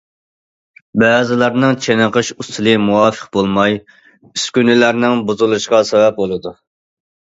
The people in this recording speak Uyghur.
بەزىلەرنىڭ چېنىقىش ئۇسۇلى مۇۋاپىق بولماي، ئۈسكۈنىلەرنىڭ بۇزۇلۇشىغا سەۋەب بولىدۇ.